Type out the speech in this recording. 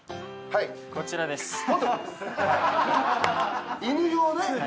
はいこちらです